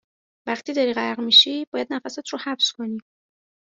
وقتی داری غرق میشی، باید نفست رو حبس کنی